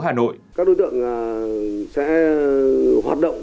các đối tượng sẽ hoạt động